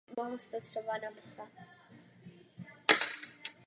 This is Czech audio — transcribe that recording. Poté ještě několikrát změnil majitele.